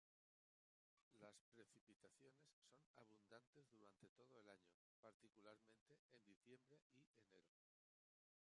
Las precipitaciones son abundantes durante todo el año, particularmente en diciembre y enero.